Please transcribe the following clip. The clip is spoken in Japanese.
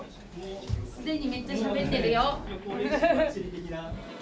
すでにめっちゃしゃべってるよ。